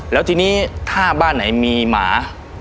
แล้วทีนี้ถ้าบ้านไหนมีหมา